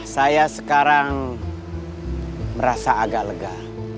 saya sekarang merasa agak lega